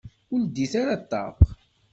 Ur leddit ara ṭṭaq.